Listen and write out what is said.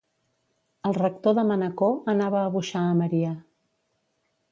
El rector de Manacor anava a boixar a Maria.